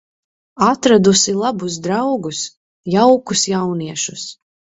Atradusi labus draugus, jaukus jauniešus.